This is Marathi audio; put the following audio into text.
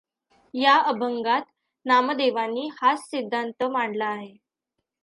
या अभंगात नामदेवांनी हाच सिद्धान्त मांडला आहे.